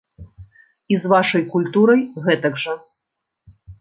І з вашай культурай гэтак жа.